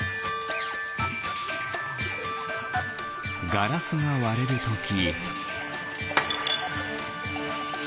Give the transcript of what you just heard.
ガラスがわれるとき。